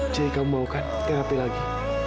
jadi kamu mau kan terapi lagi